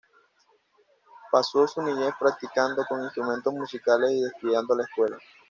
Pasó su niñez practicando con instrumentos musicales y descuidando la escuela.